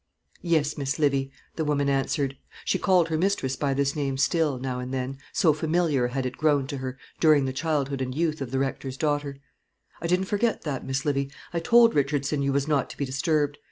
"Yes, Miss Livy," the woman answered; she called her mistress by this name still, now and then, so familiar had it grown to her during the childhood and youth of the Rector's daughter; "I didn't forget that, Miss Livy: I told Richardson you was not to be disturbed.